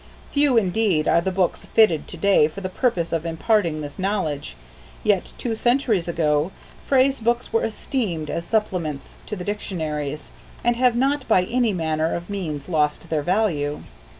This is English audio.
Few indeed are the books fitted to day for the purpose of imparting this knowledge, yet two centuries ago phrase books were esteemed as supplements to the dictionaries, and have not by any manner of means lost their value.